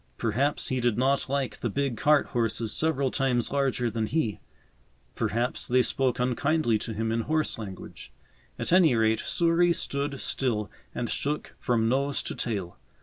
Perhaps he did not like the big cart horses several times larger than he; perhaps they spoke unkindly to him in horse language; at any rate, Souris stood still and shook from nose to tail.